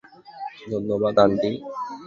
ধন্যবাদ, আন্টি।